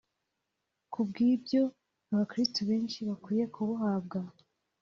Kubw’ibyo abakiristu benshi bakwiye kubuhabwa